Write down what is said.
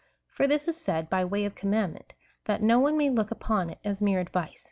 For this is said hy way of commandment, that no one may look upon it as mere advice.